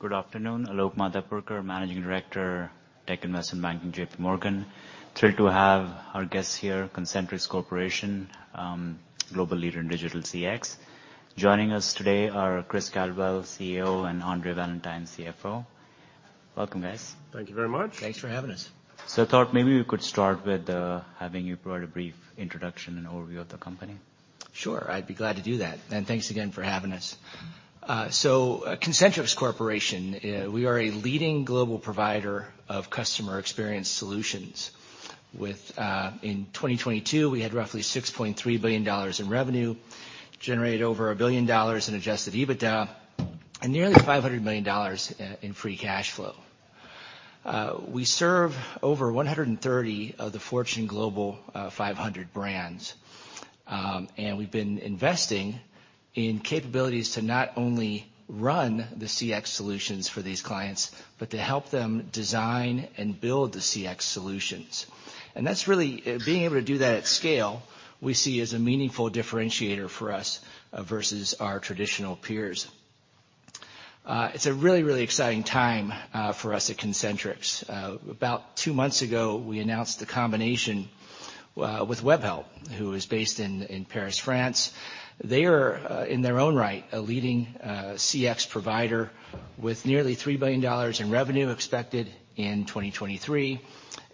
Good afternoon. Alok Matapurkar, Managing Director, Tech Investment Banking, JPMorgan. Thrilled to have our guests here, Concentrix Corporation, global leader in digital CX. Joining us today are Chris Caldwell, CEO, and Andre Valentine, CFO. Welcome, guys. Thank you very much. Thanks for having us. I thought maybe we could start with, having you provide a brief introduction and overview of the company. Sure, I'd be glad to do that. Thanks again for having us. Concentrix Corporation, we are a leading global provider of customer experience solutions. With, in 2022, we had roughly $6.3 billion in revenue, generated over $1 billion in adjusted EBITDA, and nearly $500 million in free cash flow. We serve over 130 of the Fortune Global 500 brands. We've been investing in capabilities to not only run the CX solutions for these clients, but to help them design and build the CX solutions. That's really being able to do that at scale, we see as a meaningful differentiator for us versus our traditional peers. It's a really, really exciting time for us at Concentrix. About 2 months ago, we announced the combination with Webhelp, who is based in Paris, France. They are in their own right, a leading CX provider with nearly $3 billion in revenue expected in 2023,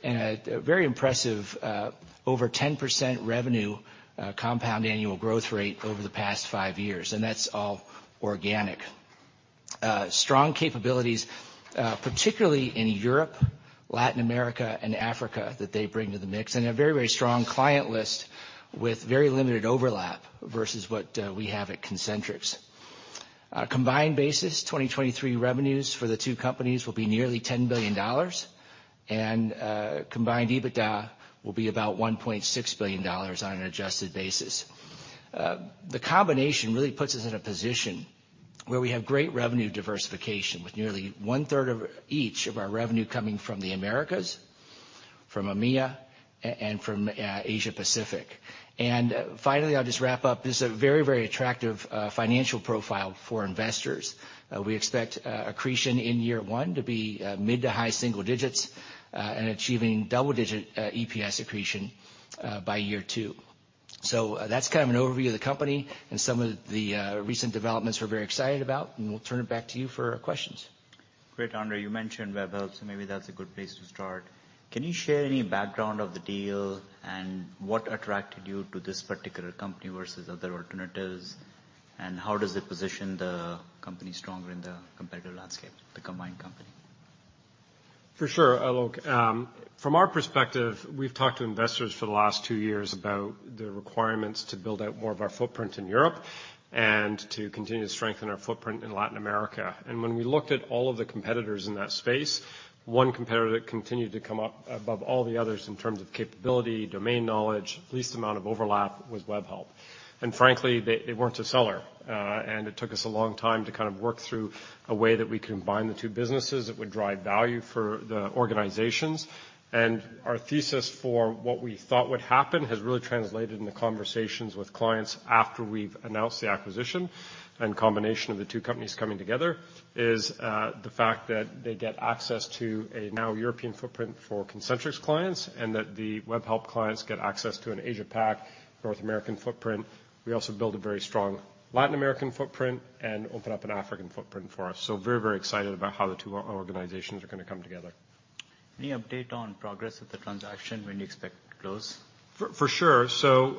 and a very impressive over 10% revenue compound annual growth rate over the past 5 years, and that's all organic. Strong capabilities, particularly in Europe, Latin America, and Africa that they bring to the mix, and a very, very strong client list with very limited overlap versus what we have at Concentrix. On a combined basis, 2023 revenues for the two companies will be nearly $10 billion, and combined EBITDA will be about $1.6 billion on an adjusted basis. The combination really puts us in a position where we have great revenue diversification, with nearly 1/3 of each of our revenue coming from the Americas, from EMEA, and from Asia Pacific. Finally, I'll just wrap up. This is a very, very attractive financial profile for investors. We expect accretion in year one to be mid to high single digits, and achieving double-digit EPS accretion by year two. That's kind of an overview of the company and some of the recent developments we're very excited about, and we'll turn it back to you for questions. Great. Andre, you mentioned Webhelp, so maybe that's a good place to start. Can you share any background of the deal and what attracted you to this particular company versus other alternatives? How does it position the company stronger in the competitive landscape, the combined company? For sure, Alok. From our perspective, we've talked to investors for the last two years about the requirements to build out more of our footprint in Europe and to continue to strengthen our footprint in Latin America. When we looked at all of the competitors in that space, one competitor that continued to come up above all the others in terms of capability, domain knowledge, least amount of overlap was Webhelp. Frankly, they weren't a seller, and it took us a long time to kind of work through a way that we combine the two businesses that would drive value for the organizations. Our thesis for what we thought would happen has really translated into conversations with clients after we've announced the acquisition and combination of the two companies coming together, is the fact that they get access to a now European footprint for Concentrix clients, and that the Webhelp clients get access to an AsiaPac, North American footprint. We also build a very strong Latin American footprint and open up an African footprint for us. Very, very excited about how the two organizations are gonna come together. Any update on progress of the transaction? When do you expect to close? For sure.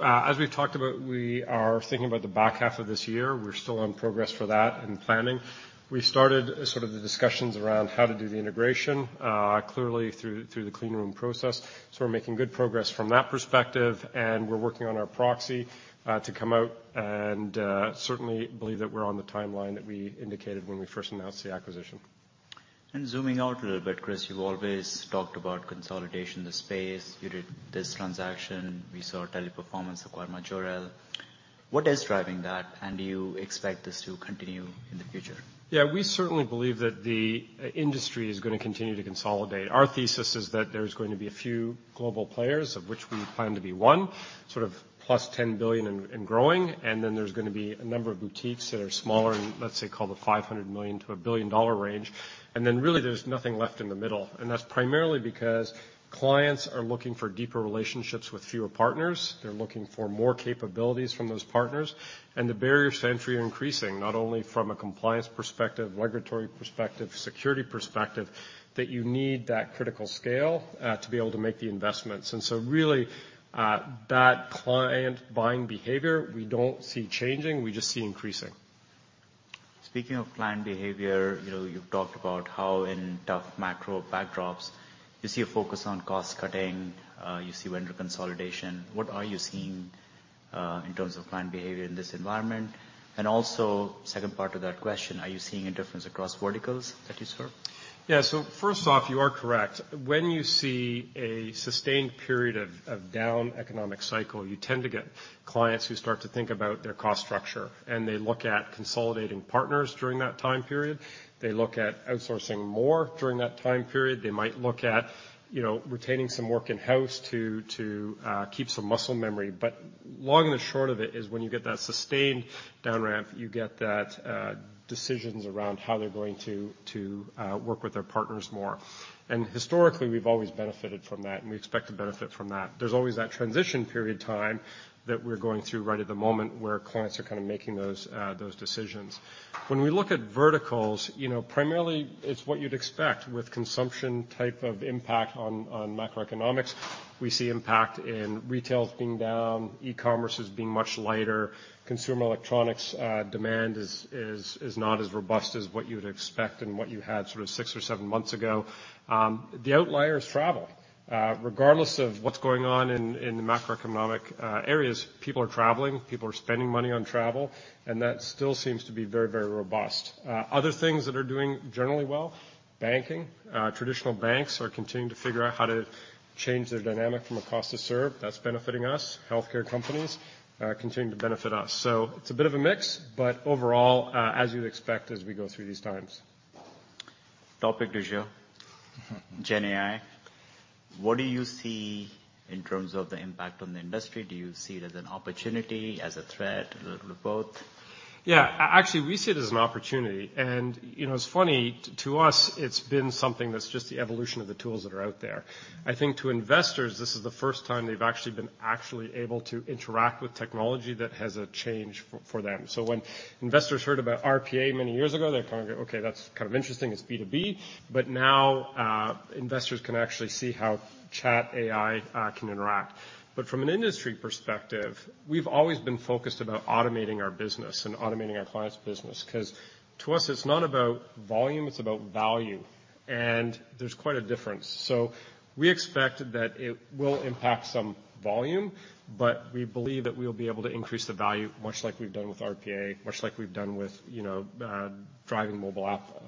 As we've talked about, we are thinking about the back half of this year. We're still on progress for that and planning. We started sort of the discussions around how to do the integration, clearly through the clean room process. We're making good progress from that perspective, and we're working on our proxy, to come out and, certainly believe that we're on the timeline that we indicated when we first announced the acquisition. Zooming out a little bit, Chris, you've always talked about consolidation of the space. You did this transaction. We saw Teleperformance acquire Majorel. What is driving that, and do you expect this to continue in the future? We certainly believe that the industry is gonna continue to consolidate. Our thesis is that there's going to be a few global players, of which we plan to be one, sort of +$10 billion and growing, and then there's gonna be a number of boutiques that are smaller in, let's say, call the $500 million-$1 billion range. Really there's nothing left in the middle, and that's primarily because clients are looking for deeper relationships with fewer partners. They're looking for more capabilities from those partners, and the barriers to entry are increasing, not only from a compliance perspective, regulatory perspective, security perspective, that you need that critical scale to be able to make the investments. Really, that client buying behavior, we don't see changing. We just see increasing. Speaking of client behavior, you know, you've talked about how in tough macro backdrops you see a focus on cost cutting, you see vendor consolidation. What are you seeing, in terms of client behavior in this environment? Also, second part to that question, are you seeing a difference across verticals that you serve? Yeah. First off, you are correct. When you see a sustained period of down economic cycle, you tend to get clients who start to think about their cost structure, and they look at consolidating partners during that time period. They look at outsourcing more during that time period. They might look at, you know, retaining some work in-house to keep some muscle memory. Long and short of it is when you get that sustained down ramp, you get that decisions around how they're going to work with their partners more. Historically, we've always benefited from that, and we expect to benefit from that. There's always that transition period time that we're going through right at the moment where clients are kind of making those decisions. We look at verticals, you know, primarily it's what you'd expect with consumption type of impact on macroeconomics. We see impact in retails being down, e-commerce is being much lighter. Consumer electronics demand is not as robust as what you would expect and what you had sort of 6 or 7 months ago. The outlier is travel. Regardless of what's going on in the macroeconomic areas, people are traveling, people are spending money on travel, that still seems to be very robust. Other things that are doing generally well, banking. Traditional banks are continuing to figure out how to change their dynamic from a cost to serve. That's benefiting us. Healthcare companies continue to benefit us. It's a bit of a mix, overall, as you'd expect as we go through these times. Topic du jour, GenAI. What do you see in terms of the impact on the industry? Do you see it as an opportunity, as a threat, or both? Yeah. Actually, we see it as an opportunity. You know, it's funny, to us it's been something that's just the evolution of the tools that are out there. I think to investors, this is the first time they've actually been able to interact with technology that has a change for them. When investors heard about RPA many years ago, they're kind of go, "Okay, that's kind of interesting. It's B2B." Now, investors can actually see how Chat AI can interact. From an industry perspective, we've always been focused about automating our business and automating our clients' business. 'Cause to us, it's not about volume, it's about value, and there's quite a difference. We expect that it will impact some volume, but we believe that we'll be able to increase the value much like we've done with RPA, much like we've done with, you know, driving mobile app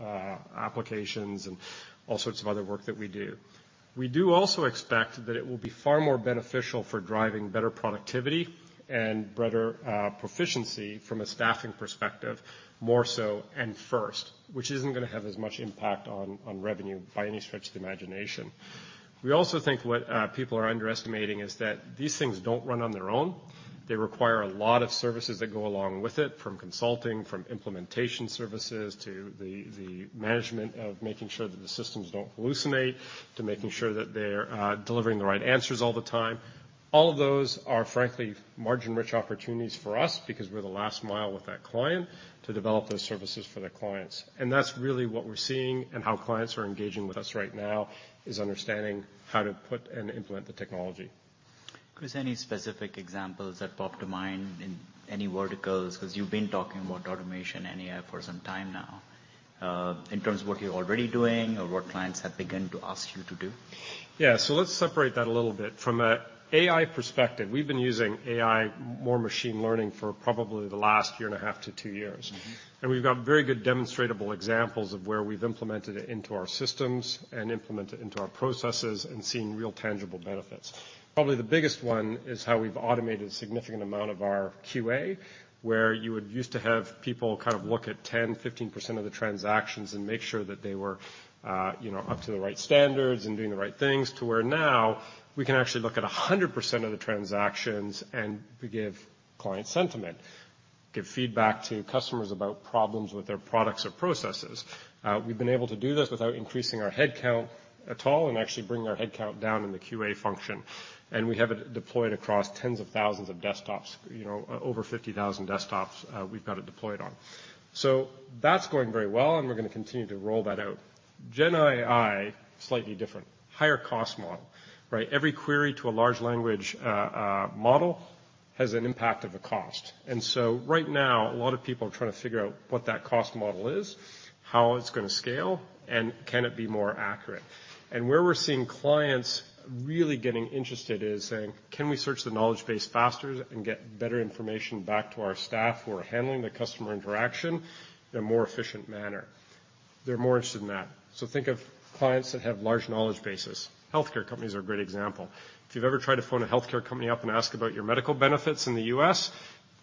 applications and all sorts of other work that we do. We do also expect that it will be far more beneficial for driving better productivity and better proficiency from a staffing perspective, more so and first, which isn't gonna have as much impact on revenue by any stretch of the imagination. We also think what people are underestimating is that these things don't run on their own. They require a lot of services that go along with it, from consulting, from implementation services, to the management of making sure that the systems don't hallucinate, to making sure that they're delivering the right answers all the time. All of those are frankly margin-rich opportunities for us because we're the last mile with that client to develop those services for the clients. That's really what we're seeing and how clients are engaging with us right now, is understanding how to put and implement the technology. Chris, any specific examples that pop to mind in any verticals? 'Cause you've been talking about automation and AI for some time now. In terms of what you're already doing or what clients have begun to ask you to do. Yeah. Let's separate that a little bit. From an AI perspective, we've been using AI more machine learning for probably the last year and a half to 2 years. We've got very good demonstrable examples of where we've implemented it into our systems and implemented it into our processes and seen real tangible benefits. Probably the biggest one is how we've automated a significant amount of our QA, where you used to have people kind of look at 10%, 15% of the transactions and make sure that they were, you know, up to the right standards and doing the right things to where now we can actually look at 100% of the transactions and give client sentiment, give feedback to customers about problems with their products or processes. We've been able to do this without increasing our head count at all and actually bring our head count down in the QA function, and we have it deployed across tens of thousands of desktops. You know, over 50,000 desktops, we've got it deployed on. That's going very well and we're gonna continue to roll that out. GenAI, slightly different. Higher cost model, right? Every query to a large language model has an impact of a cost. Right now, a lot of people are trying to figure out what that cost model is, how it's gonna scale, and can it be more accurate. Where we're seeing clients really getting interested is saying, "Can we search the knowledge base faster and get better information back to our staff who are handling the customer interaction in a more efficient manner?" They're more interested in that. Think of clients that have large knowledge bases. Healthcare companies are a great example. If you've ever tried to phone a healthcare company up and ask about your medical benefits in the US,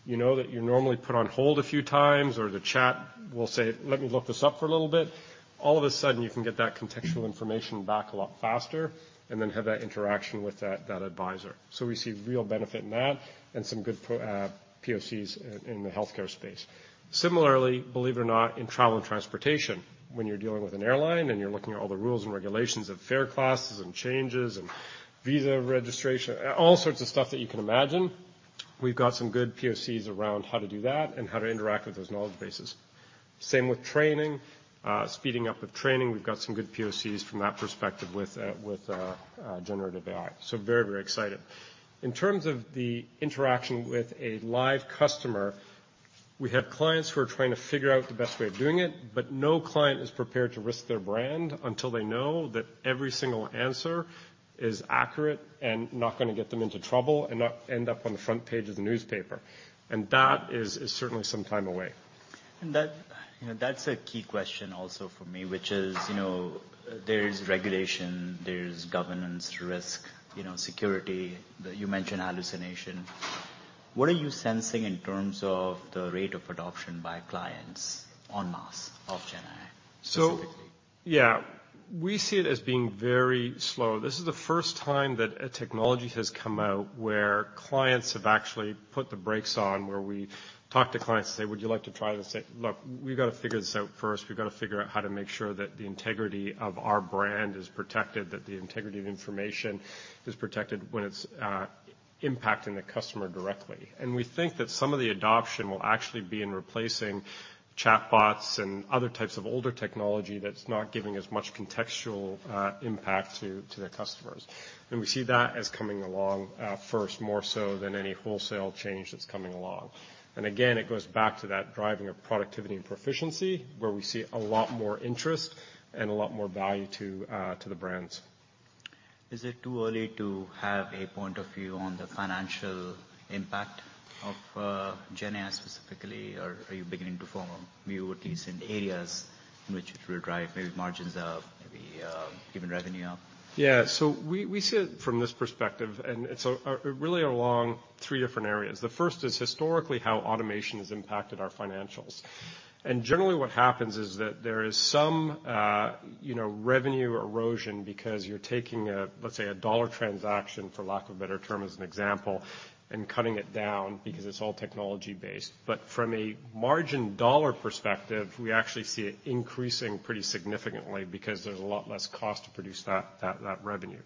you know that you're normally put on hold a few times, or the chat will say, "Let me look this up for a little bit." All of a sudden, you can get that contextual information back a lot faster and then have that interaction with that advisor. We see real benefit in that and some good POCs in the healthcare space. Similarly, believe it or not, in travel and transportation. When you're dealing with an airline and you're looking at all the rules and regulations of fare classes and changes and visa registration, all sorts of stuff that you can imagine, we've got some good POCs around how to do that and how to interact with those knowledge bases. Same with training, speeding up with training. We've got some good POCs from that perspective with, Generative AI. Very, very excited. In terms of the interaction with a live customer, we have clients who are trying to figure out the best way of doing it, but no client is prepared to risk their brand until they know that every single answer is accurate and not gonna get them into trouble and not end up on the front page of the newspaper. That is certainly some time away. That, you know, that's a key question also for me, which is, you know, there's regulation, there's governance risk, you know, security. You mentioned hallucination. What are you sensing in terms of the rate of adoption by clients en masse of GenAI specifically? Yeah, we see it as being very slow. This is the first time that a technology has come out where clients have actually put the brakes on, where we talk to clients and say, "Would you like to try this?" They say, "Look, we've gotta figure this out first. We've gotta figure out how to make sure that the integrity of our brand is protected, that the integrity of information is protected when it's impacting the customer directly." We think that some of the adoption will actually be in replacing chatbots and other types of older technology that's not giving as much contextual impact to the customers. We see that as coming along first, more so than any wholesale change that's coming along. Again, it goes back to that driving of productivity and proficiency, where we see a lot more interest and a lot more value to the brands. Is it too early to have a point of view on the financial impact of GenAI specifically, or are you beginning to form a view, at least in areas in which it will drive maybe margins up, maybe giving revenue up? We, we see it from this perspective, and it's really along 3 different areas. The first is historically how automation has impacted our financials. Generally, what happens is that there is some, you know, revenue erosion because you're taking a, let's say, a $1 transaction, for lack of a better term, as an example, and cutting it down because it's all technology-based. From a margin dollar perspective, we actually see it increasing pretty significantly because there's a lot less cost to produce that revenue.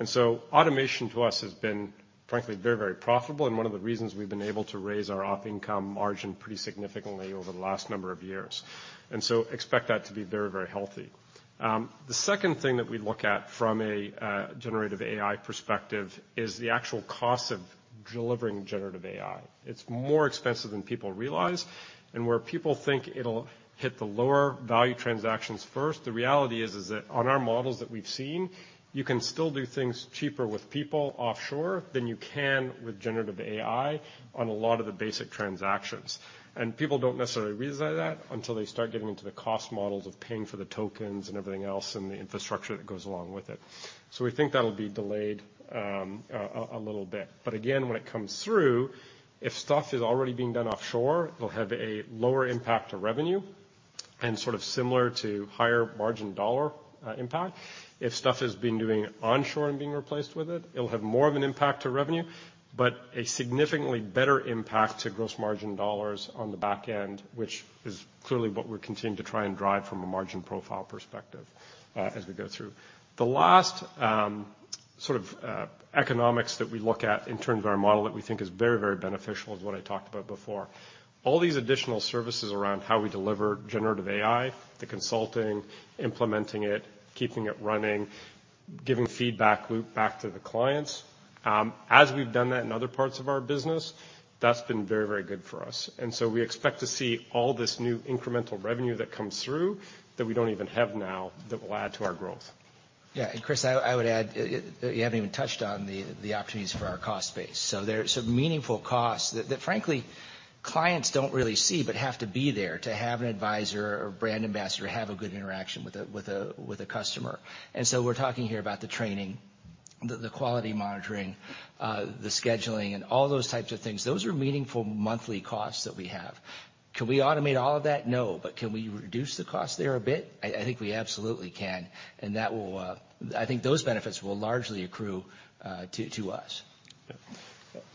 Automation to us has been, frankly, very, very profitable and one of the reasons we've been able to raise our operating income margin pretty significantly over the last number of years. Expect that to be very, very healthy. The second thing that we look at from a Generative AI perspective is the actual cost of delivering Generative AI. It's more expensive than people realize. Where people think it'll hit the lower value transactions first, the reality is that on our models that we've seen, you can still do things cheaper with people offshore than you can with Generative AI on a lot of the basic transactions. People don't necessarily realize that until they start getting into the cost models of paying for the tokens and everything else, and the infrastructure that goes along with it. We think that'll be delayed a little bit. Again, when it comes through, if stuff is already being done offshore, it'll have a lower impact to revenue and sort of similar to higher margin dollar impact. If stuff has been doing onshore and being replaced with it'll have more of an impact to revenue, but a significantly better impact to gross margin dollars on the back end, which is clearly what we're continuing to try and drive from a margin profile perspective, as we go through. The last, sort of, economics that we look at in terms of our model that we think is very, very beneficial is what I talked about before. All these additional services around how we deliver generative AI, the consulting, implementing it, keeping it running, giving feedback loop back to the clients. As we've done that in other parts of our business, that's been very, very good for us. We expect to see all this new incremental revenue that comes through that we don't even have now, that will add to our growth. Chris Caldwell, I would add, you haven't even touched on the opportunities for our cost base. There's some meaningful costs that frankly clients don't really see, but have to be there to have an advisor or brand ambassador have a good interaction with a, with a, with a customer. We're talking here about the training, the quality monitoring, the scheduling, and all those types of things. Those are meaningful monthly costs that we have. Can we automate all of that? No. Can we reduce the cost there a bit? I think we absolutely can, that will... I think those benefits will largely accrue, to us.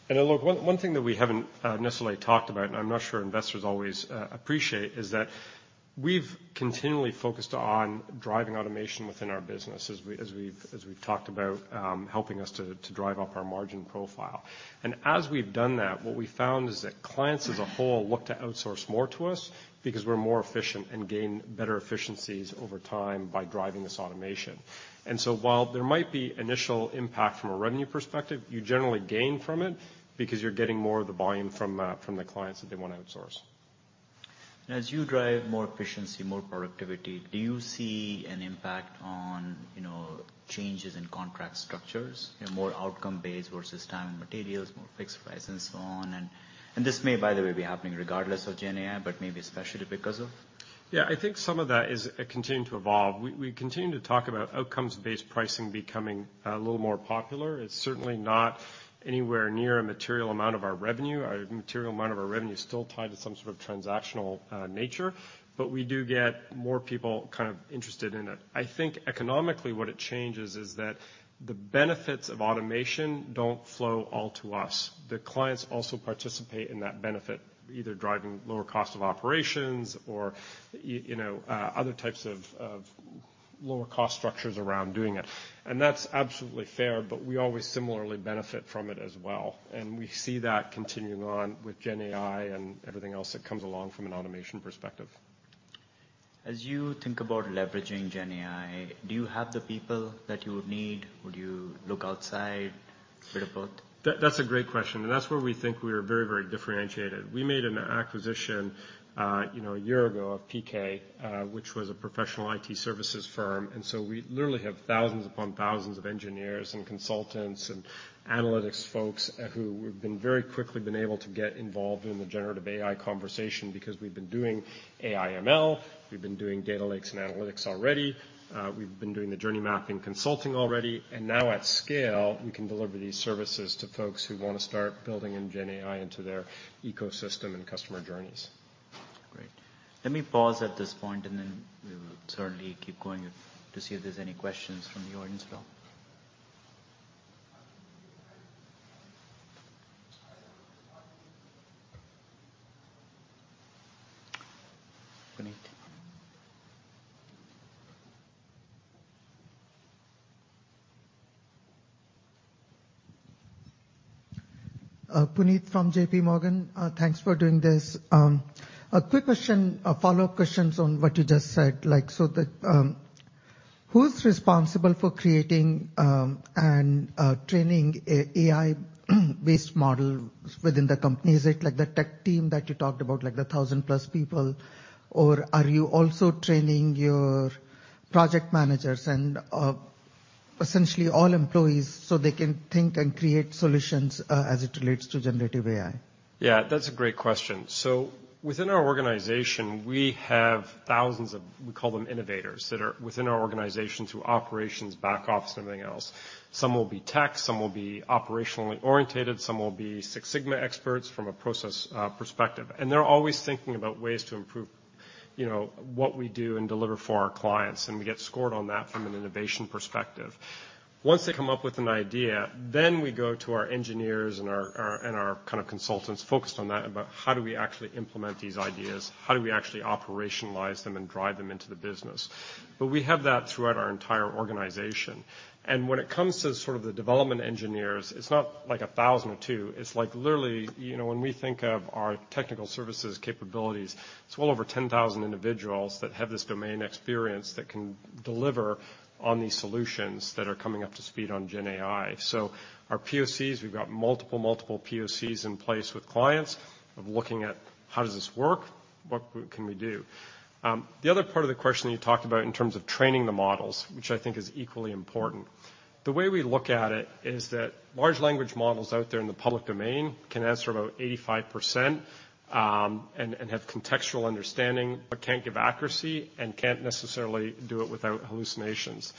Yeah. Look, one thing that we haven't necessarily talked about, and I'm not sure investors always appreciate, is that we've continually focused on driving automation within our business as we've talked about, helping us to drive up our margin profile. As we've done that, what we've found is that clients as a whole look to outsource more to us because we're more efficient and gain better efficiencies over time by driving this automation. While there might be initial impact from a revenue perspective, you generally gain from it because you're getting more of the volume from the clients that they wanna outsource. As you drive more efficiency, more productivity, do you see an impact on, you know, changes in contract structures? You know, more outcome-based versus time and materials, more fixed price and so on. This may, by the way, be happening regardless of GenAI, but maybe especially because of. Yeah. I think some of that is continuing to evolve. We continue to talk about outcomes-based pricing becoming a little more popular. It's certainly not anywhere near a material amount of our revenue. A material amount of our revenue is still tied to some sort of transactional nature, but we do get more people kind of interested in it. I think economically, what it changes is that the benefits of automation don't flow all to us. The clients also participate in that benefit, either driving lower cost of operations or you know, other types of lower cost structures around doing it. That's absolutely fair, but we always similarly benefit from it as well, and we see that continuing on with GenAI and everything else that comes along from an automation perspective. As you think about leveraging GenAI, do you have the people that you would need? Would you look outside? That's a great question, and that's where we think we are very, very differentiated. We made an acquisition, you know, a year ago of PK, which was a professional IT services firm. We literally have thousands upon thousands of engineers and consultants and analytics folks who have been very quickly been able to get involved in the Generative AI conversation because we've been doing AI/ML, we've been doing data lakes and analytics already, we've been doing the journey mapping consulting already. Now at scale, we can deliver these services to folks who wanna start building in GenAI into their ecosystem and customer journeys. Great. Let me pause at this point, and then we will certainly keep going to see if there's any questions from the audience as well. Puneet. Puneet from JPMorgan. Thanks for doing this. A quick question, a follow-up questions on what you just said. Like, the... Who's responsible for creating and training a AI-based model within the company? Is it like the tech team that you talked about, like the 1,000+ people? Or are you also training your project managers and essentially all employees so they can think and create solutions as it relates to generative AI? Yeah, that's a great question. Within our organization, we have thousands of, we call them innovators that are within our organization through operations, back office, everything else. Some will be tech, some will be operationally orientated, some will be Six Sigma experts from a process perspective. They're always thinking about ways to improve, you know, what we do and deliver for our clients, and we get scored on that from an innovation perspective. Once they come up with an idea, then we go to our engineers and our kind of consultants focused on that about how do we actually implement these ideas? How do we actually operationalize them and drive them into the business? We have that throughout our entire organization. When it comes to sort of the development engineers, it's not like 1,000 or two, it's like literally, you know, when we think of our technical services capabilities, it's well over 10,000 individuals that have this domain experience that can deliver on these solutions that are coming up to speed on GenAI. Our POCs, we've got multiple POCs in place with clients of looking at how does this work? What can we do? The other part of the question you talked about in terms of training the models, which I think is equally important. The way we look at it is that large language models out there in the public domain can answer about 85%, and have contextual understanding, but can't give accuracy and can't necessarily do it without hallucinations.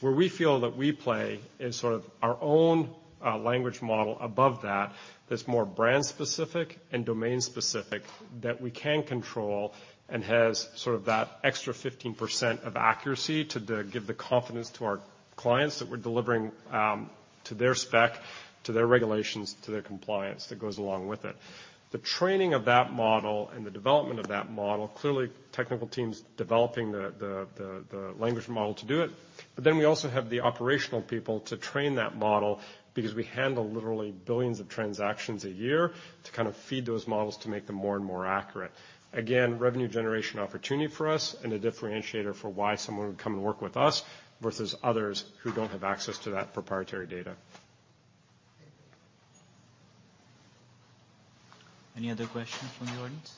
Where we feel that we play is sort of our own language model above that's more brand specific and domain specific that we can control and has sort of that extra 15% of accuracy to give the confidence to our clients that we're delivering to their spec, to their regulations, to their compliance that goes along with it. The training of that model and the development of that model, clearly technical teams developing the language model to do it, we also have the operational people to train that model because we handle literally billions of transactions a year to kind of feed those models to make them more and more accurate. Revenue generation opportunity for us and a differentiator for why someone would come and work with us versus others who don't have access to that proprietary data. Any other questions from the audience?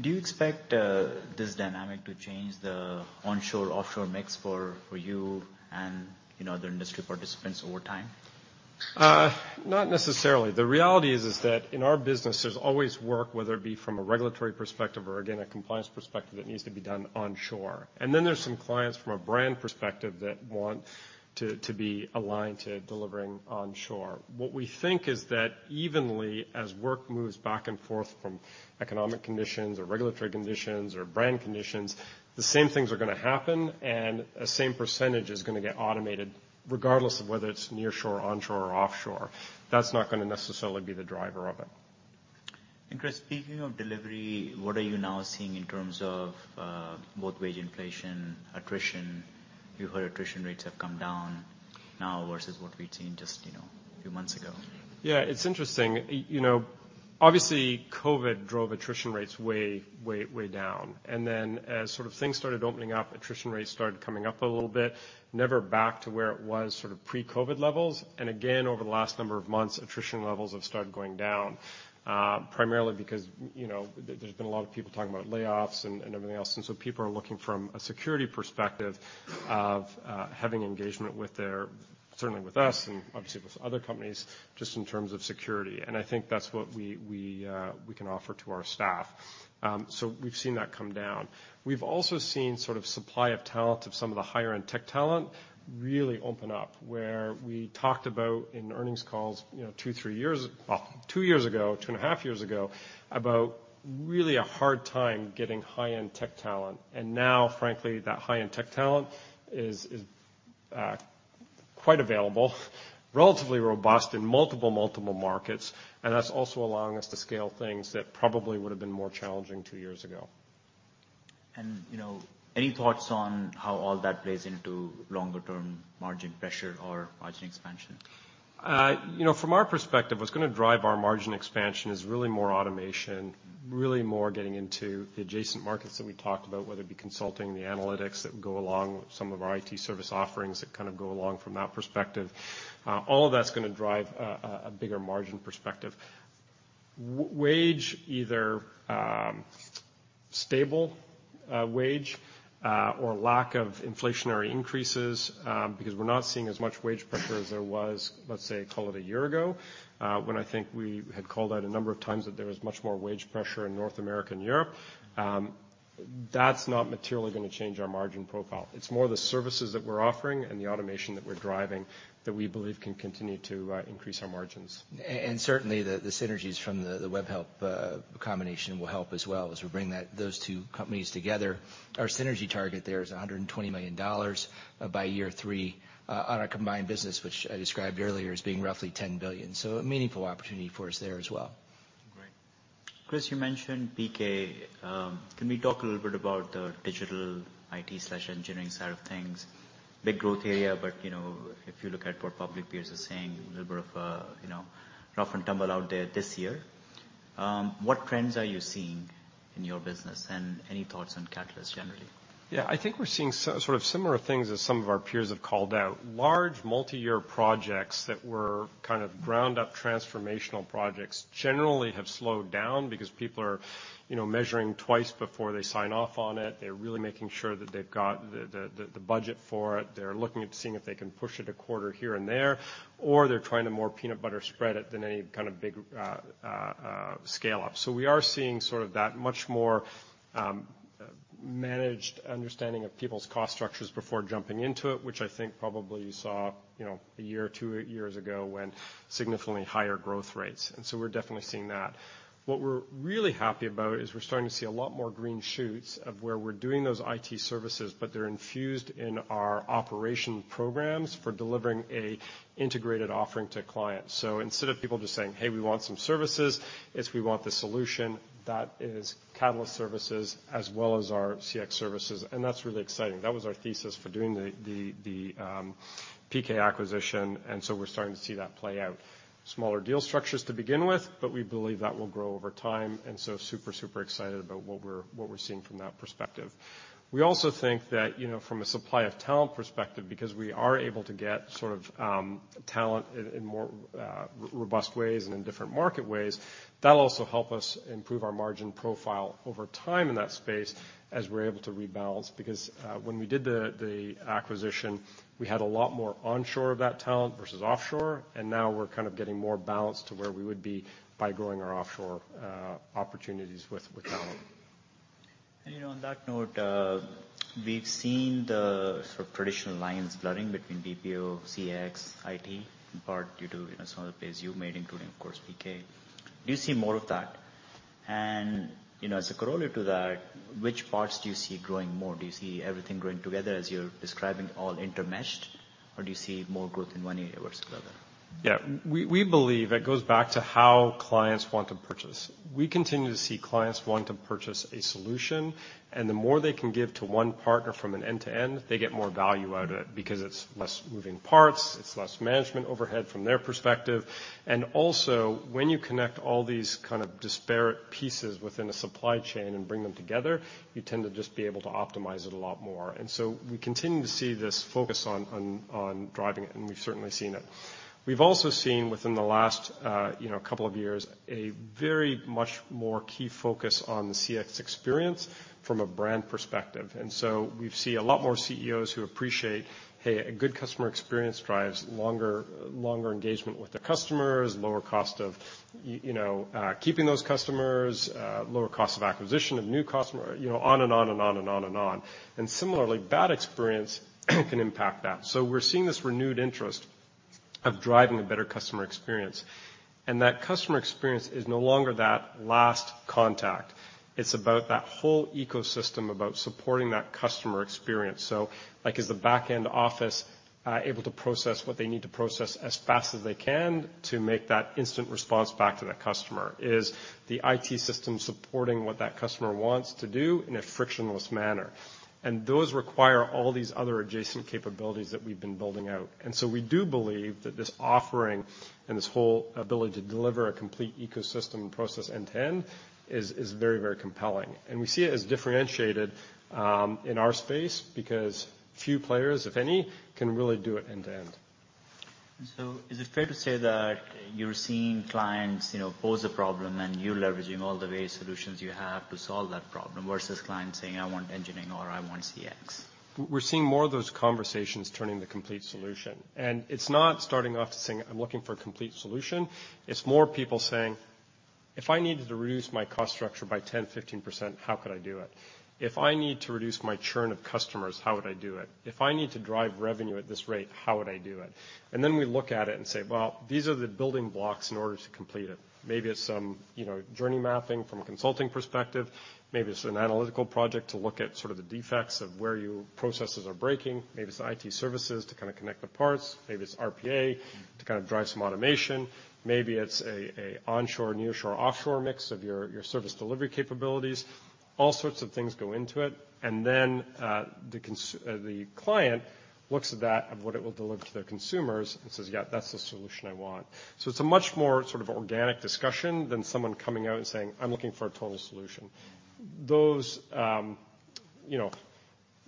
Do you expect this dynamic to change the onshore, offshore mix for you and, you know, other industry participants over time? Not necessarily. The reality is that in our business, there's always work, whether it be from a regulatory perspective or again, a compliance perspective that needs to be done onshore. Then there's some clients from a brand perspective that want to be aligned to delivering onshore. What we think is that evenly as work moves back and forth from economic conditions or regulatory conditions or brand conditions, the same things are gonna happen and a same percentage is gonna get automated regardless of whether it's nearshore, onshore or offshore. That's not gonna necessarily be the driver of it. Chris, speaking of delivery, what are you now seeing in terms of both wage inflation, attrition? You heard attrition rates have come down now versus what we've seen just, you know, a few months ago. Yeah, it's interesting. You know, obviously COVID drove attrition rates way, way down. As sort of things started opening up, attrition rates started coming up a little bit, never back to where it was sort of pre-COVID levels. Again, over the last number of months, attrition levels have started going down, primarily because, you know, there's been a lot of people talking about layoffs and everything else. People are looking from a security perspective of having engagement. Certainly with us and obviously with other companies, just in terms of security. I think that's what we can offer to our staff. We've seen that come down. We've also seen sort of supply of talent of some of the higher end tech talent really open up where we talked about in earnings calls, you know, two years ago, two and a half years ago, about really a hard time getting high-end tech talent. Now frankly, that high-end tech talent is quite available, relatively robust in multiple markets. That's also allowing us to scale things that probably would've been more challenging two years ago. You know, any thoughts on how all that plays into longer term margin pressure or margin expansion? You know, from our perspective, what's gonna drive our margin expansion is really more automation, really more getting into the adjacent markets that we talked about, whether it be consulting, the analytics that go along with some of our IT service offerings that kind of go along from that perspective. All of that's gonna drive a bigger margin perspective. Wage either stable wage or lack of inflationary increases, because we're not seeing as much wage pressure as there was, let's say, call it a year ago, when I think we had called out a number of times that there was much more wage pressure in North America and Europe. That's not materially gonna change our margin profile. It's more the services that we're offering and the automation that we're driving that we believe can continue to increase our margins. Certainly the synergies from the Webhelp combination will help as well as we bring that, those two companies together. Our synergy target there is $120 million by year 3 on our combined business, which I described earlier as being roughly $10 billion. A meaningful opportunity for us there as well. Great. Chris, you mentioned PK. Can we talk a little bit about the digital IT/engineering side of things? Big growth area, but, you know, if you look at what public peers are saying, a little bit of, you know, rough and tumble out there this year. What trends are you seeing in your business, and any thoughts on Catalyst generally? I think we're seeing sort of similar things as some of our peers have called out. Large multi-year projects that were kind of ground up transformational projects generally have slowed down because people are, you know, measuring twice before they sign off on it. They're really making sure that they've got the budget for it. They're looking at seeing if they can push it a quarter here and there, or they're trying to more peanut butter spread it than any kind of big scale-up. We are seeing sort of that much more managed understanding of people's cost structures before jumping into it, which I think probably you saw, you know, a year or two years ago when significantly higher growth rates. We're definitely seeing that. What we're really happy about is we're starting to see a lot more green shoots of where we're doing those IT services, but they're infused in our operation programs for delivering a integrated offering to clients. Instead of people just saying, "Hey, we want some services," it's we want the solution that is Catalyst Services as well as our CX services, and that's really exciting. That was our thesis for doing the PK acquisition. We're starting to see that play out. Smaller deal structures to begin with, but we believe that will grow over time. Super, super excited about what we're seeing from that perspective. We also think that, you know, from a supply of talent perspective, because we are able to get sort of talent in more robust ways and in different market ways, that'll also help us improve our margin profile over time in that space as we're able to rebalance. When we did the acquisition, we had a lot more onshore of that talent versus offshore, and now we're kind of getting more balanced to where we would be by growing our offshore opportunities with talent. You know, on that note, we've seen the sort of traditional lines blurring between BPO, CX, IT, in part due to, you know, some of the plays you made, including, of course, PK. Do you see more of that? You know, as a corollary to that, which parts do you see growing more? Do you see everything growing together as you're describing all intermeshed, or do you see more growth in one area versus the other? Yeah. We believe it goes back to how clients want to purchase. We continue to see clients want to purchase a solution, the more they can give to one partner from an end-to-end, they get more value out of it because it's less moving parts, it's less management overhead from their perspective. Also, when you connect all these kind of disparate pieces within a supply chain and bring them together, you tend to just be able to optimize it a lot more. We continue to see this focus on driving it, and we've certainly seen it. We've also seen within the last, you know, couple of years, a very much more key focus on the CX experience from a brand perspective. We see a lot more CEOs who appreciate, hey, a good customer experience drives longer engagement with their customers, lower cost of, you know, keeping those customers, lower cost of acquisition of new customer, you know, on and on and on and on and on. Similarly, bad experience can impact that. We're seeing this renewed interest of driving a better customer experience, and that customer experience is no longer that last contact. It's about that whole ecosystem about supporting that customer experience. Like, is the back-end office able to process what they need to process as fast as they can to make that instant response back to that customer? Is the IT system supporting what that customer wants to do in a frictionless manner? Those require all these other adjacent capabilities that we've been building out. We do believe that this offering and this whole ability to deliver a complete ecosystem process end-to-end is very, very compelling. We see it as differentiated in our space because few players, if any, can really do it end-to-end. Is it fair to say that you're seeing clients, you know, pose a problem and you're leveraging all the various solutions you have to solve that problem versus clients saying, "I want engineering or I want CX"? We're seeing more of those conversations turning the complete solution. It's not starting off to saying, "I'm looking for a complete solution." It's more people saying, "If I needed to reduce my cost structure by 10%, 15%, how could I do it? If I need to reduce my churn of customers, how would I do it? If I need to drive revenue at this rate, how would I do it?" Well, these are the building blocks in order to complete it. Maybe it's some, you know, journey mapping from a consulting perspective. Maybe it's an analytical project to look at sort of the defects of where your processes are breaking. Maybe it's IT services to kind of connect the parts. Maybe it's RPA to kind of drive some automation. Maybe it's a onshore, nearshore, offshore mix of your service delivery capabilities. All sorts of things go into it. The client looks at that of what it will deliver to their consumers and says, "Yeah, that's the solution I want." It's a much more sort of organic discussion than someone coming out and saying, "I'm looking for a total solution." Those, you know,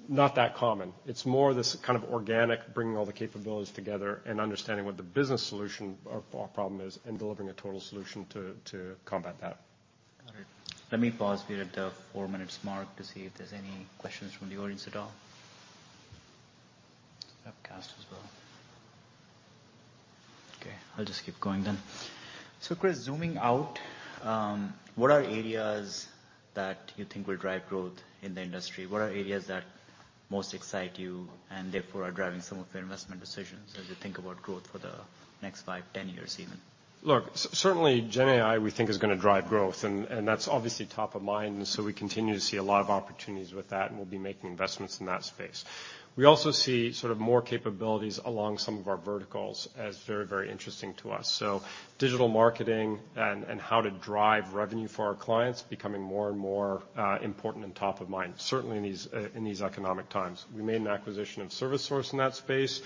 not that common. It's more this kind of organic, bringing all the capabilities together and understanding what the business solution or problem is and delivering a total solution to combat that. Got it. Let me pause here at the 4 minutes mark to see if there's any questions from the audience at all. Webcast as well. I'll just keep going then. Chris, zooming out, what are areas that you think will drive growth in the industry? What are areas that most excite you and therefore are driving some of your investment decisions as you think about growth for the next 5, 10 years even? Certainly GenAI we think is gonna drive growth and that's obviously top of mind, so we continue to see a lot of opportunities with that and we'll be making investments in that space. We also see sort of more capabilities along some of our verticals as very, very interesting to us. Digital marketing and how to drive revenue for our clients becoming more and more important and top of mind, certainly in these economic times. We made an acquisition of ServiceSource in that space.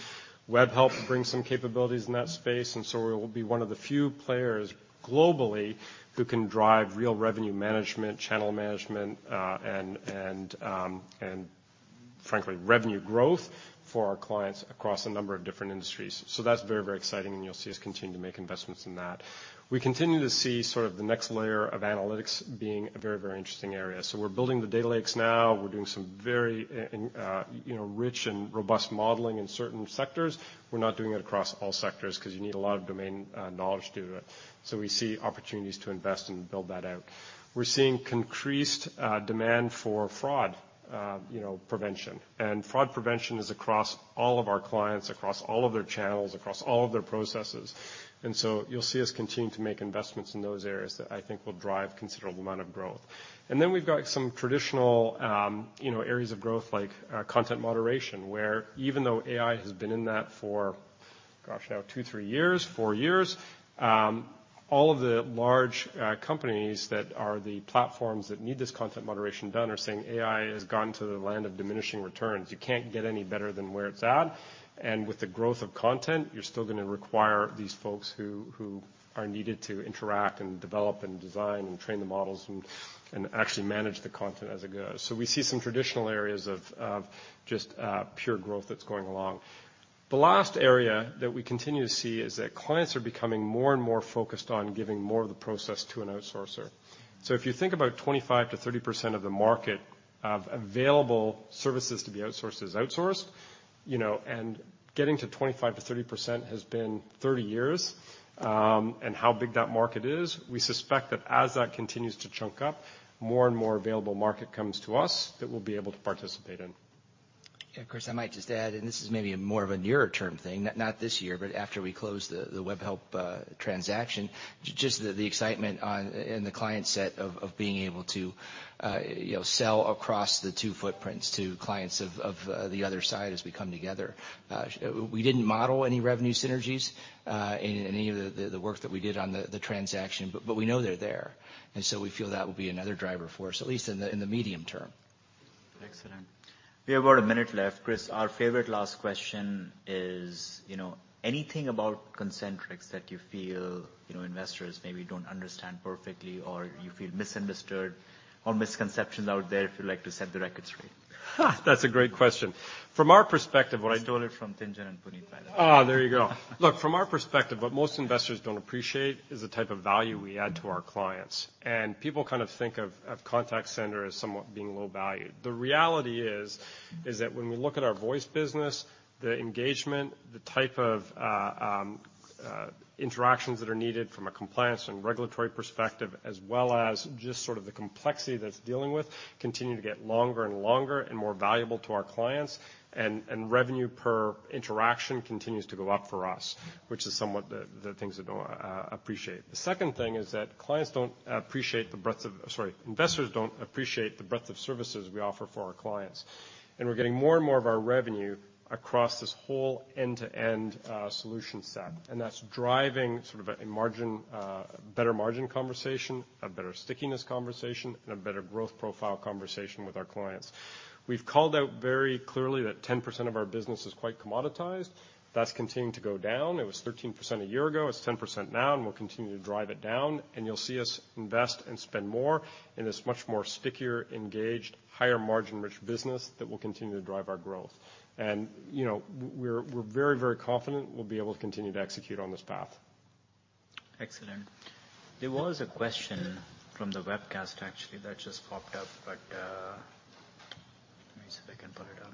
Webhelp brings some capabilities in that space, and so we'll be one of the few players globally who can drive real revenue management, channel management, and frankly, revenue growth for our clients across a number of different industries. That's very, very exciting, and you'll see us continue to make investments in that. We continue to see sort of the next layer of analytics being a very, very interesting area. We're building the data lakes now. We're doing some very, you know, rich and robust modeling in certain sectors. We're not doing it across all sectors 'cause you need a lot of domain knowledge to do it. We see opportunities to invest and build that out. We're seeing increased demand for fraud, you know, prevention. Fraud prevention is across all of our clients, across all of their channels, across all of their processes. You'll see us continue to make investments in those areas that I think will drive considerable amount of growth. We've got some traditional, you know, areas of growth like content moderation, where even though AI has been in that for, gosh, now two, three years, four years, all of the large companies that are the platforms that need this content moderation done are saying AI has gotten to the land of diminishing returns. You can't get any better than where it's at. With the growth of content, you're still gonna require these folks who are needed to interact and develop and design and train the models and actually manage the content as it goes. We see some traditional areas of just pure growth that's going along. The last area that we continue to see is that clients are becoming more and more focused on giving more of the process to an outsourcer. If you think about 25%-30% of the market of available services to be outsourced is outsourced, you know, and getting to 25%-30% has been 30 years, and how big that market is, we suspect that as that continues to chunk up, more and more available market comes to us that we'll be able to participate in. Chris, I might just add, and this is maybe more of a nearer term thing, not this year, but after we close the Webhelp transaction, just the excitement on... and the client set of being able to, you know, sell across the two footprints to clients of the other side as we come together. We didn't model any revenue synergies in any of the work that we did on the transaction, but we know they're there. We feel that will be another driver for us, at least in the medium term. Excellent. We have about a minute left. Chris, our favorite last question is, you know, anything about Concentrix that you feel, you know, investors maybe don't understand perfectly or you feel misunderstood or misconceptions out there if you'd like to set the record straight? That's a great question. From our perspective, what. I stole it from Tien-tsin Huang and Puneet, by the way. There you go. Look, from our perspective, what most investors don't appreciate is the type of value we add to our clients. People kind of think of contact center as somewhat being low value. The reality is that when we look at our Voice business, the engagement, the type of interactions that are needed from a compliance and regulatory perspective, as well as just sort of the complexity that it's dealing with, continue to get longer and longer and more valuable to our clients and revenue per interaction continues to go up for us, which is somewhat the things that don't appreciate. The second thing is that, sorry, investors don't appreciate the breadth of services we offer for our clients. We're getting more and more of our revenue across this whole end-to-end solution set. That's driving sort of a margin, better margin conversation, a better stickiness conversation, and a better growth profile conversation with our clients. We've called out very clearly that 10% of our business is quite commoditized. That's continuing to go down. It was 13% a year ago, it's 10% now. We'll continue to drive it down. You'll see us invest and spend more in this much more stickier, engaged, higher margin rich business that will continue to drive our growth. You know, we're very, very confident we'll be able to continue to execute on this path. Excellent. There was a question from the webcast actually that just popped up, but, let me see if I can pull it up.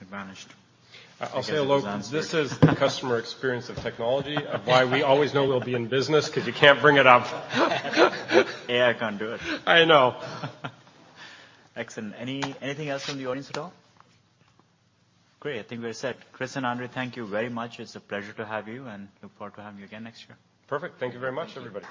It vanished. I'll say, look. I guess it was answered. This is the customer experience of technology, of why we always know we'll be in business, 'cause you can't bring it up. AI can't do it. I know. Excellent. Anything else from the audience at all? Great. I think we're set. Chris and Andre, thank you very much. It's a pleasure to have you. Look forward to having you again next year. Perfect. Thank you very much, everybody.